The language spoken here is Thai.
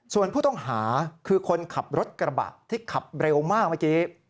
ส่วนผู้ต้องหาคือคนขับรถกระบะที่ขับเร็วมากเมื่อกี้